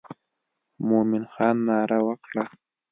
مومن خان ناره وکړه.